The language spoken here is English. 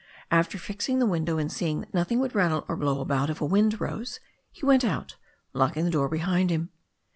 After fixing the window and seeing that nothing would rattle or blow about if a wind arose, he went out, locking the door behind him.